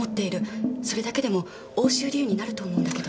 それだけでも押収理由になると思うんだけど。